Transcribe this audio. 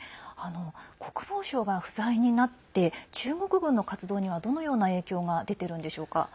国防相が不在になって中国軍の活動にはどのような影響が出てるんでしょうか。